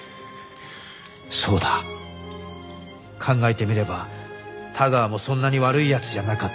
そうだ考えてみれば田川もそんなに悪い奴じゃなかった。